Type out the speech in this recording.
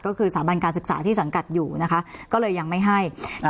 ก็คือสถาบันการศึกษาที่สังกัดอยู่นะคะก็เลยยังไม่ให้อ่า